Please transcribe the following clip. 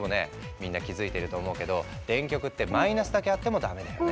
みんな気付いてると思うけど電極ってマイナスだけあってもダメだよね。